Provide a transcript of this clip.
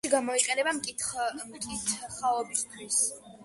ჩვენს დროში გამოიყენება მკითხაობისთვის.